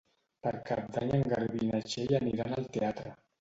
Per Cap d'Any en Garbí i na Txell aniran al teatre.